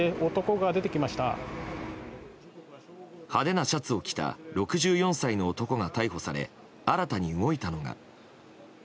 派手なシャツを着た６４歳の男が逮捕され新たに動いたのが。